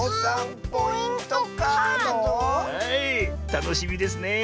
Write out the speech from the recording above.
たのしみですねえ。